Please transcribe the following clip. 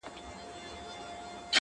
نه نه غلط سوم وطن دي چین دی.!